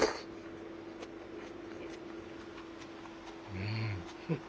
うん。